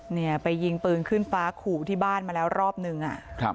เนี่ยไปยิงปืนขึ้นฟ้าขู่ที่บ้านมาแล้วรอบนึงอ่ะครับ